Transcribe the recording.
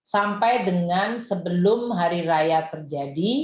sampai dengan sebelum hari raya terjadi